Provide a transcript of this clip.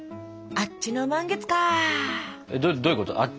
あっちの満月？